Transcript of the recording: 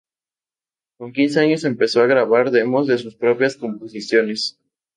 Con quince años empezó a grabar demos de sus propias composiciones.